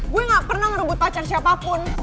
gue gak pernah ngerebut pacar siapapun